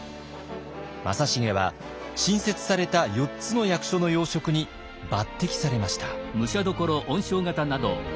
正成は新設された４つの役所の要職に抜てきされました。